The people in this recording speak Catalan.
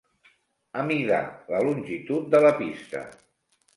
Amidar la longitud de la pista.